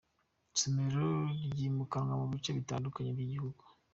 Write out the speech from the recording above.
Isomero ryimukanwa mu bice bitandukanye by’Igihugu